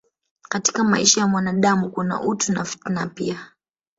Katika maisha ya mwanadamu kuna utu na fitna pia